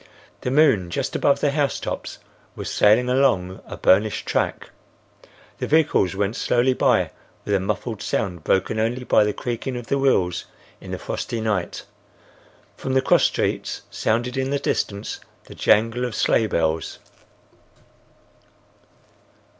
The moon just above the housetops was sailing along a burnished track. The vehicles went slowly by with a muffled sound broken only by the creaking of the wheels in the frosty night. From the cross streets, sounded in the distance the jangle of sleigh bells.